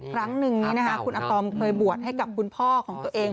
ครั้งหนึ่งนี้คุณอาตอมเคยบวชให้กับคุณพ่อของตัวเอง